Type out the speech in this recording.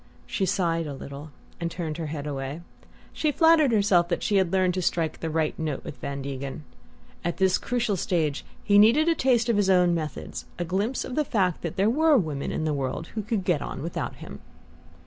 She sighed a little, and turned her head away. She flattered herself that she had learned to strike the right note with Van Degen. At this crucial stage he needed a taste of his own methods, a glimpse of the fact that there were women in the world who could get on without him.